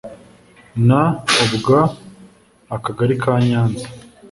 N ubw akagari ka nyanza